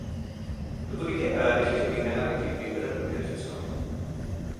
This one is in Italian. Dopodiché aveva deciso di ingannare Kirby per raggiungere i suoi scopi.